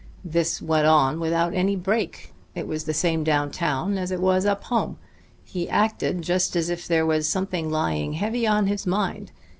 This went on without any break; it was the same down town as it was up home, he acted just as if there was something lying heavy on his mind.